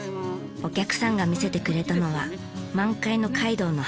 お客さんが見せてくれたのは満開のカイドウの花。